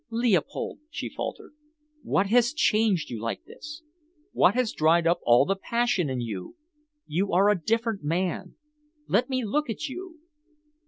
"Leopold," she faltered, "what has changed you like this? What has dried up all the passion in you? You are a different man. Let me look at you."